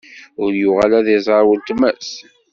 Ur yuɣal ad iẓer uletma-s.